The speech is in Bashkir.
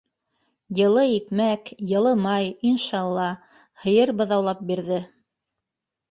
- Йылы икмәк, йылы май - иншалла, һыйыр быҙаулап бирҙе.